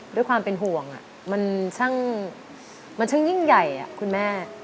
ด้วยความเป็นห่วงมันช่างยิ่งใหญ่คุณแม่